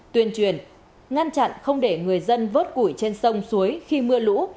tuyên truyền ngăn chặn không để người dân vớt củi trên sông suối khi mưa lũ